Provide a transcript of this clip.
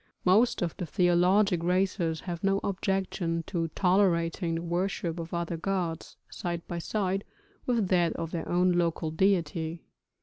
Most of the theologic races have no objection to tolerating the worship of other gods side by side with that of their own local deity.